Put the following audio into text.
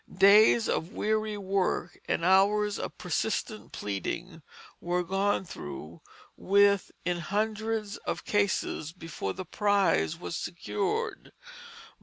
Days of weary work and hours of persistent pleading were gone through with in hundreds of cases before the prize was secured.